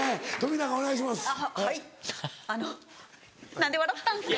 何で笑ったんですか？